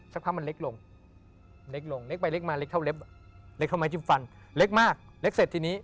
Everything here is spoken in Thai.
สักพักมันเล็กลงเล็กไปเล็กมาเล็กเท่าไม้จิ้มฟันเล็กมากเล็กเสร็จทีนี้